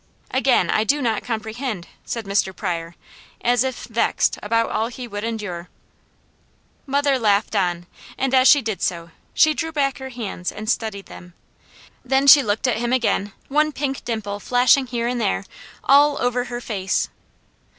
"Again, I do not comprehend," said Mr. Pryor, as if vexed about all he would endure. Mother laughed on, and as she did so she drew back her hands and studied them. Then she looked at him again, one pink dimple flashing here and there, all over her face.